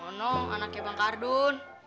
ah ono anaknya bang kardun